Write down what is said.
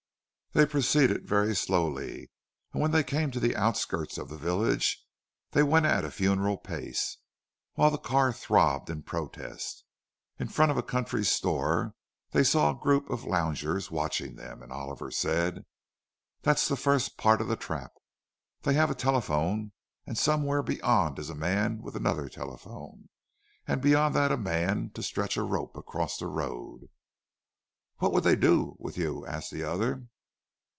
They proceeded very slowly; and when they came to the outskirts of the village they went at a funereal pace, while the car throbbed in protest. In front of a country store they saw a group of loungers watching them, and Oliver said, "There's the first part of the trap. They have a telephone, and somewhere beyond is a man with another telephone, and beyond that a man to stretch a rope across the road." "What would they do with you?" asked the other.